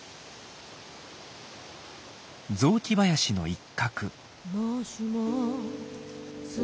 雑木林の一角。